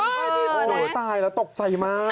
โธ่ตายละตกใจมาก